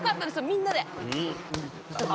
みんなで。